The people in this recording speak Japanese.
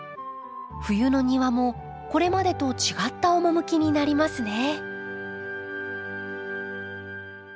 冬の庭もこれまでと違った趣になりますね。